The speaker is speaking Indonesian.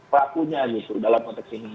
perlakunya dalam konteks ini